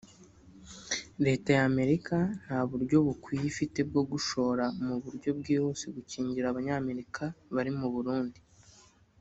Leta y’Amerika nta buryo bukwiye ifite bwo gushobora mu buryo bwihuse gukingira Abanyamerika bari mu Burundi